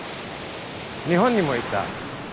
日本にも行った。